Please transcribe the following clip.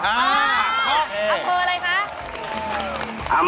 อ๋ออัมเภออะไรครับ